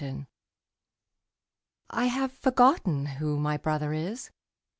*^ I have forgotten who my brother is.